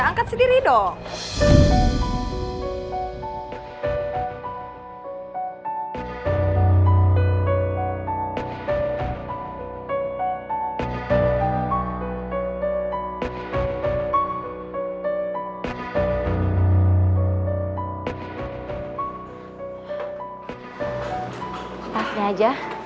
angkat sendiri dong